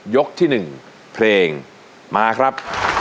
ที่๑เพลงมาครับ